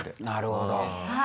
なるほど。